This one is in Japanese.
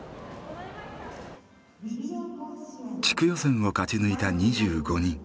地区予選を勝ち抜いた２５人。